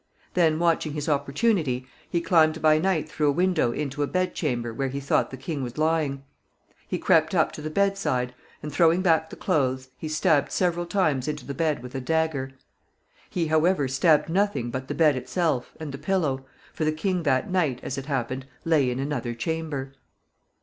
Then, watching his opportunity, he climbed by night through a window into a bedchamber where he thought the king was lying. He crept up to the bedside, and, throwing back the clothes, he stabbed several times into the bed with a dagger. He, however, stabbed nothing but the bed itself, and the pillow, for the king that night, as it happened, lay in another chamber.